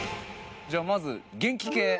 じゃあまず元気系。